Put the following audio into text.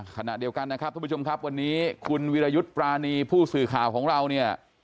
ขณะเดียวกันนะครับทุกผู้ชมครับวันนี้คุณวิรยุทธ์ปรานีผู้สื่อข่าวของเราเนี่ย